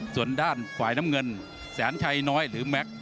ส่วนด้านฝ่ายน้ำเงินแสนชัยน้อยหรือแม็กซ์